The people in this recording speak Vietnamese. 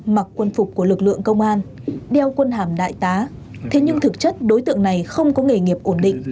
mặc quân phục của lực lượng công an đeo quân hàm đại tá thế nhưng thực chất đối tượng này không có nghề nghiệp ổn định